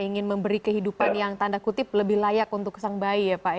ingin memberi kehidupan yang tanda kutip lebih layak untuk sang bayi ya pak